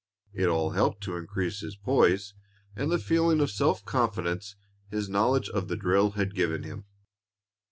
It all helped to increase his poise and the feeling of self confidence his knowledge of the drill had given him.